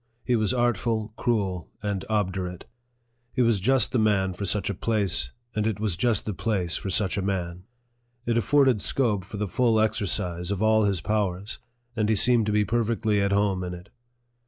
He was artful, cruel, and obdurate. He was just the man for such a place, and it was just the place for such a man. It afforded scope for the full exercise of all his powers, and he seemed to be perfectly at home in it.